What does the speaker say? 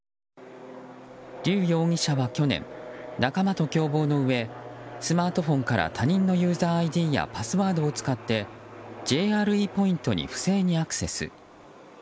リュウ容疑者は去年仲間と共謀のうえスマートフォンから他人のユーザーＩＤやパスワードを使ってＪＲＥポイントに不正にアクセス。